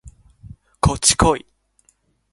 こっちこい